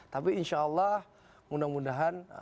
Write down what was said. tapi insya allah mudah mudahan